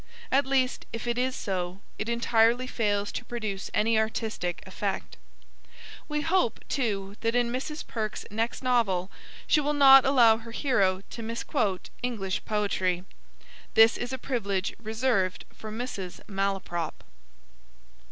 At least, if it is so, it entirely fails to produce any artistic effect. We hope, too, that in Mrs. Perks's next novel she will not allow her hero to misquote English poetry. This is a privilege reserved for Mrs. Malaprop.